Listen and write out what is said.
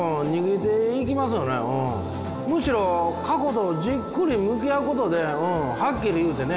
むしろ過去とじっくり向き合うことでうんはっきり言うてね